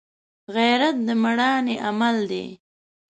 غیرت د مړانې عمل دی